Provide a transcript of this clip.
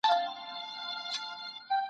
د کبانو غوښه د دماغ لپاره ښه ده.